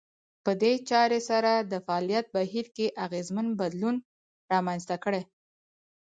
په دې چارې سره د فعاليت بهير کې اغېزمن بدلون رامنځته کړي.